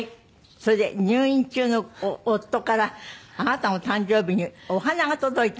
それで入院中の夫からあなたの誕生日にお花が届いた？